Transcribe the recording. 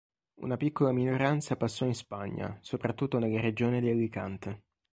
Una piccola minoranza passò in Spagna, soprattutto nella regione di Alicante.